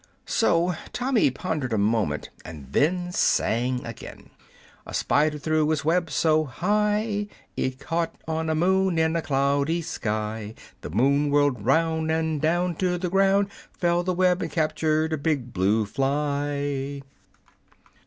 So Tommy pondered a moment, and then sang again: "A spider threw its web so high It caught on a moon in a cloudy sky. The moon whirled round, And down to the ground Fell the web, and captured a big blue fly!"